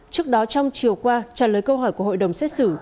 trước đó trong chiều qua trả lời câu hỏi của hội đồng xét xử